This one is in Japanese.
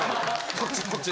こっち？